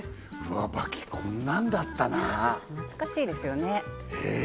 上ばきこんなんだったな懐かしいですよね